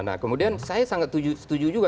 nah kemudian saya sangat setuju juga